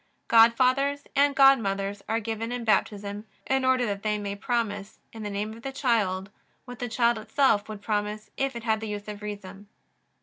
Godfathers and godmothers are given in Baptism in order that they may promise, in the name of the child, what the child itself would promise if it had the use of reason.